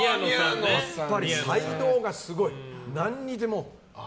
やっぱり才能がすごい、何にでも。